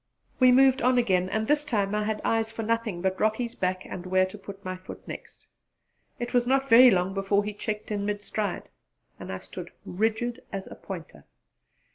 We moved on again and this time I had eyes for nothing but Rocky's back, and where to put my foot next. It was not very long before he checked in midstride and I stood as rigid as a pointer.